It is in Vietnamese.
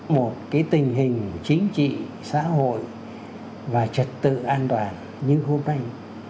một tình hình chính trị xã hội và trật tự an toàn như hôm nay